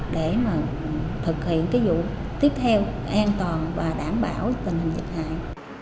để mà thực hiện cái vụ tiếp theo an toàn và đảm bảo tình hình dịch hại